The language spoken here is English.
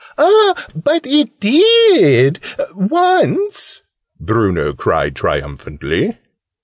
"Ah, but it did, once!" Bruno cried triumphantly.